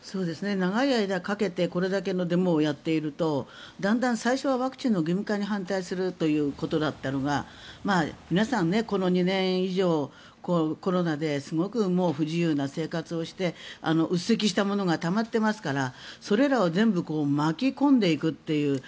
長い間をかけてこれだけのデモをやっているとだんだん最初はワクチンの義務化に反対するということだったのが皆さんこの２年以上、コロナですごく不自由な生活をしてうっ積したものがたまってますからそれらを全部巻き込んでいくという。